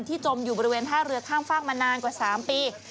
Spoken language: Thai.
จมอยู่บริเวณท่าเรือข้ามฟากมานานกว่า๓ปี